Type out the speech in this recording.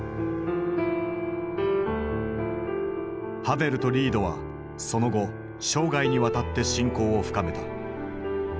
ハヴェルとリードはその後生涯にわたって親交を深めた。